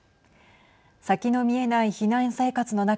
先の見えない避難生活の中